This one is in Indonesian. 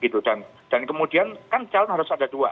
dan kemudian kan calon harus ada dua